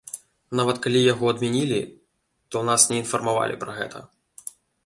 Нават калі яго адмянілі, то нас не інфармавалі пра гэта.